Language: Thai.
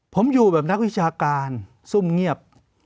ผมอยู่แบบนักวิชาการซุ่มเงียบ